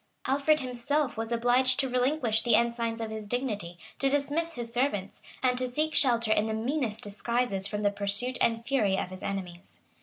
Alfred himself was obliged to relinquish the ensigns of his dignity, to dismiss his servants, and to seek shelter in the meanest disguises from the pursuit and fury of his enemies.